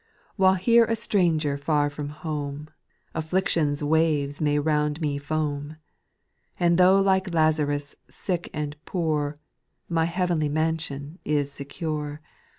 While here a stranger far from home, Affliction's waves may round me foam ; And though like Lazarus sick and poor, My heavenly mansion is secure.